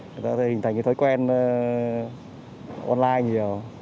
người ta hình thành thói quen online nhiều